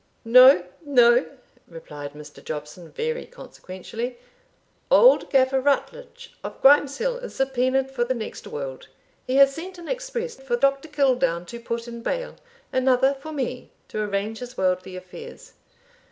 "No no," replied Mr. Jobson, very consequentially; "old Gaffer Rutledge of Grime's hill is subpoenaed for the next world; he has sent an express for Dr. Kill down to put in bail another for me to arrange his worldly affairs."